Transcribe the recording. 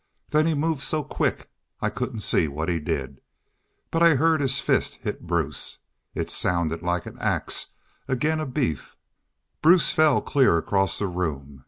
... Then he moved so quick I couldn't see what he did. But I heerd his fist hit Bruce. It sounded like an ax ag'in' a beef. Bruce fell clear across the room.